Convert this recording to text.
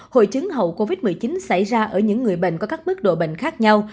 hội chứng hậu covid một mươi chín xảy ra ở những người bệnh có các mức độ bệnh khác nhau